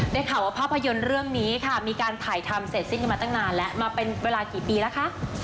ได้ข่าวว่าภาพยนตร์เรื่องนี้ค่ะมีการถ่ายทำเสร็จสิ้นกันมาตั้งนานแล้วมาเป็นเวลากี่ปีแล้วคะ